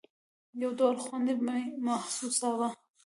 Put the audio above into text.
يو ډول خوند مې محسوساوه.